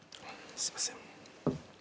すいません。